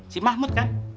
si mahmud kan